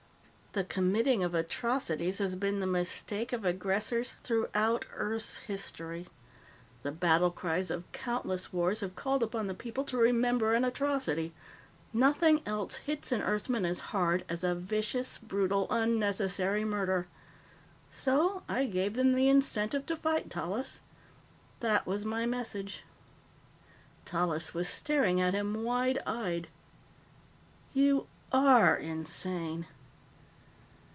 "The committing of atrocities has been the mistake of aggressors throughout Earth's history. The battle cries of countless wars have called upon the people to remember an atrocity. Nothing else hits an Earthman as hard as a vicious, brutal, unnecessary murder. "So I gave them the incentive to fight, Tallis. That was my message." Tallis was staring at him wide eyed. "You are insane."